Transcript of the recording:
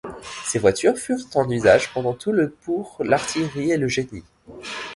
Ces voitures furent en usage pendant tout le pour l'artillerie et le génie.